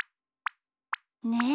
ねえ。